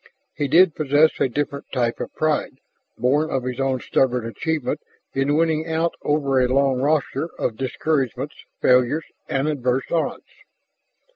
He did possess a different type of pride, born of his own stubborn achievement in winning out over a long roster of discouragements, failures, and adverse odds.